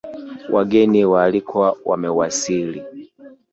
Wageni waalikwa wamewasili